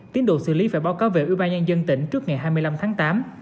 tiến độ xử lý phải báo cáo về ủy ban nhân dân tỉnh trước ngày hai mươi năm tháng tám